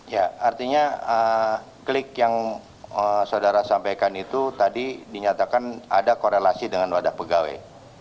ya artinya klik yang saudara sampaikan itu tadi dinyatakan ada korelasi dengan wadah pegawai